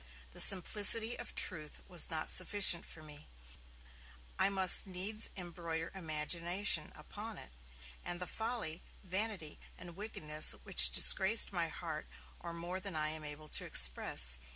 The simplicity of truth was not sufficient for me; I must needs embroider imagination upon it, and the folly, vanity and wickedness which disgraced my heart are more than I am able to express.